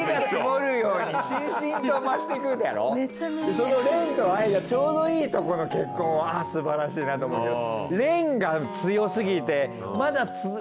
その恋と愛がちょうどいいとこの結婚はああすばらしいなと思うけど。